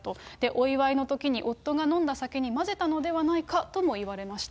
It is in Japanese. お祝いのときに、夫が飲んだ酒に混ぜたのではないかとも言われました。